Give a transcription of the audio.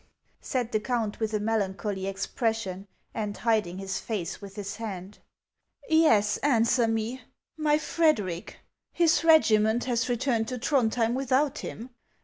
" said the count, with a melancholy ex pression, and hiding his face with his hand. " Yes, answer me ; my Frederic ? His regiment has returned to Throndhjem without him.